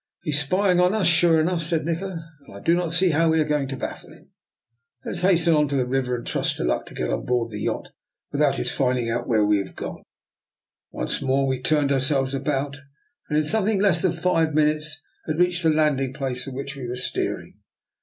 " He is spying on us, sure enough," said Nikola, " and I do not see how we are going to baffle him. Let us hasten on to the river and trust to luck to get on board the yacht without his finding out where we have gone." Once more we turned ourselves about, and in something less than five minutes had reached the landing place for which we were steering.